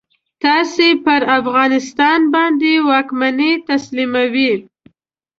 تاسې پر افغانستان باندي واکمني تسلیموي.